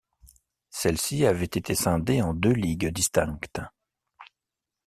Celle-ci avait été scindée en deux ligues distinctes.